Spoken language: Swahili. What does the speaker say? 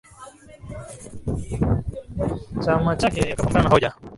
chama chake akapambana na hoja